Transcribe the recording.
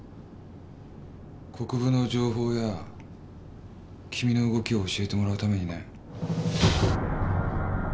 国府の情報や君の動きを教えてもらうためにね。